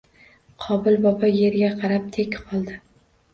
Qobil bobo yerga qarab tek qoldi